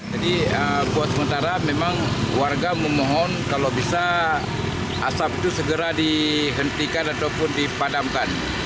buat sementara memang warga memohon kalau bisa asap itu segera dihentikan ataupun dipadamkan